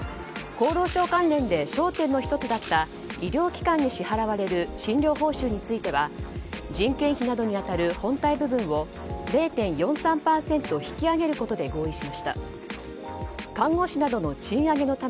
厚労省関連で焦点の１つだった医療機関に支払われる診療報酬については人件費などに当たる本体部分を０．４３％引き上げることで合意しました。